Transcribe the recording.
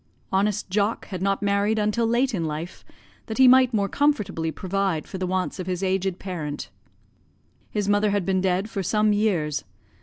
Honest Jock had not married until late in life, that he might more comfortably provide for the wants of his aged parent. His mother had been dead for some years.